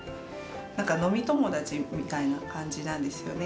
何か飲み友達みたいな感じなんですよね。